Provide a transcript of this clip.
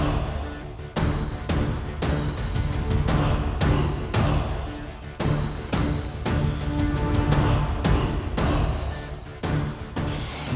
mereka harus dilaporkan